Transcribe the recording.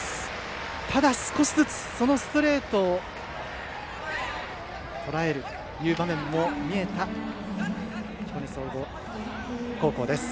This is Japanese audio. ただ、少しずつそのストレートをとらえる場面も見えた彦根総合高校です。